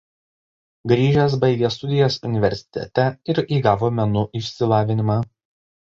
Grįžęs baigė studijas universitete ir įgavo menų išsilavinimą.